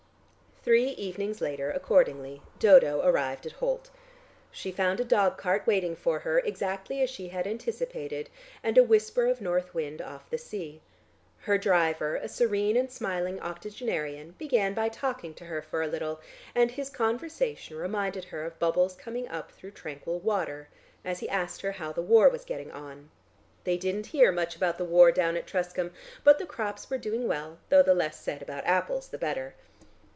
Three evenings later accordingly, Dodo arrived at Holt. She found a dog cart waiting for her, exactly as she had anticipated, and a whisper of north wind off the sea. Her driver, a serene and smiling octogenarian began by talking to her for a little, and his conversation reminded her of bubbles coming up through tranquil water, as he asked her how the war was getting on. They didn't hear much about the war down at Truscombe, but the crops were doing well, though the less said about apples the better.